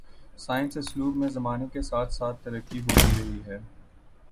سائنسی اسلوب میں زمانے کے ساتھ ساتھ ترقی ہوتی رہی ہے۔